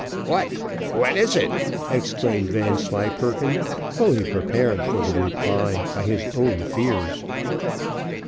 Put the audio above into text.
"What! what is it?" exclaimed Vanslyperken, fully prepared for the reply by his own fears.